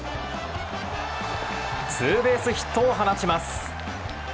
ツーベースヒットを放ちます。